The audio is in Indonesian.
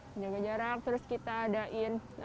menjaga jarak terus kita ada in